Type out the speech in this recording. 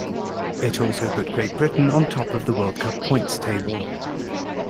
It also put Great Britain on top of the World Cup points table.